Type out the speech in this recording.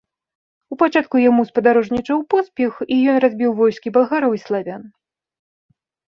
У пачатку яму спадарожнічаў поспех і ён разбіў войскі балгараў і славян.